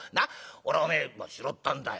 俺はお前拾ったんだよ。